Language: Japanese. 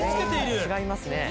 全員違いますね。